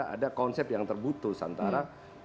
ada konsep yang terputus antara